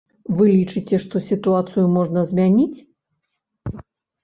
Вы лічыце, што сітуацыю можна змяніць?